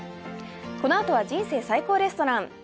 このあとは「人生最高レストラン」。